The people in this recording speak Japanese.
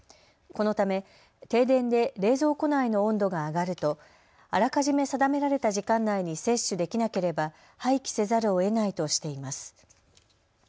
このため停電で冷蔵庫内の温度が上がるとあらかじめ定められた時間内に接種できなければ廃棄せざるをえないとしています。